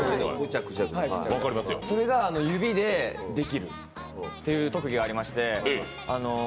それが指でできるという特技がありまして。